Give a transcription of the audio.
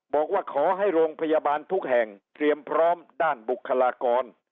บอกว่าขอให้โรงพยาบาลทุกแห่งเตรียมพร้อมด้านบุคลากร